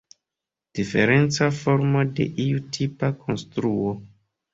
Diferenca formo de iu tipa konstruo.